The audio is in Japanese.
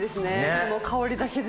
この香りだけで。